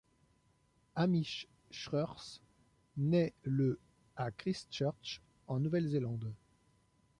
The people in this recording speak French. Hamish Schreurs naît le à Christchurch, en Nouvelle-Zélande.